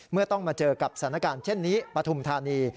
เมื่อต้องมาเจอกับสถานการณ์เช่นนี้ปฐุมธานี